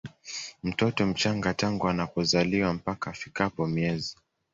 mtoto mchanga tangu anapozaliwa mpaka afikapo miezi